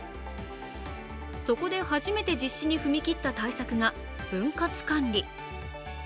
そこで初めて実施に踏み切った対策が分割管理。